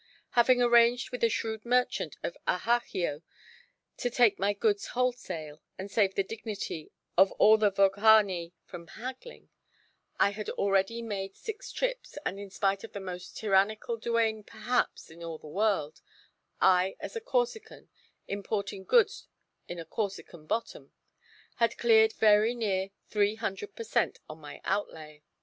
Having arranged with a shrewd merchant of Ajaccio to take my goods wholesale, and save the dignity of all the Vogheni from haggling, I had already made six trips, and in spite of the most tyrannical douane perhaps in all the world, I as a Corsican, importing goods in a Corsican bottom, had cleared very nearly three hundred per cent. on my outlay.